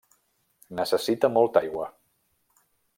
Necessita molta aigua.